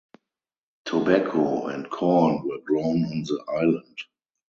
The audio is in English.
Tobacco and corn were grown on the island.